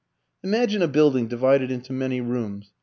Imagine a building divided into many rooms.